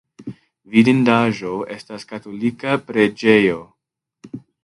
Vidindaĵo estas katolika preĝejo.